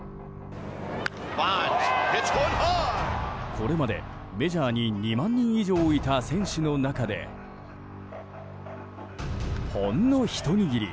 これまで、メジャーに２万人以上いた選手の中でほんのひと握り。